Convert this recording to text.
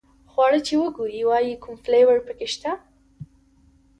خواړه چې وګوري وایي کوم فلېور په کې شته.